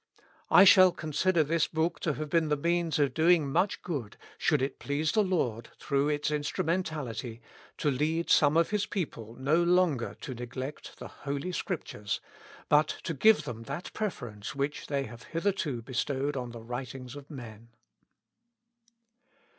I shall con sider this book to have been the means of doing much good, should it please the I^ord, through its instrumentality, to lead some of His people no longer to neglect the Holy Scriptures, but to give them that preference which they have hitherto be stowed on the writings of men.